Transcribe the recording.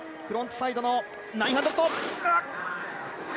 フロントサイドの９００！